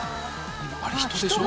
「あれ人でしょ？